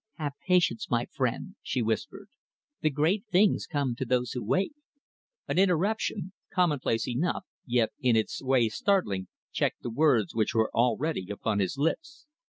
"Have patience, my friend," she whispered. "The great things come to those who wait." An interruption, commonplace enough, yet in its way startling, checked the words which were already upon his lips.